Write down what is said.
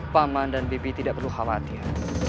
paman dan bibi tidak perlu khawatir